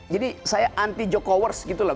jadi saya anti jokowers gitu lah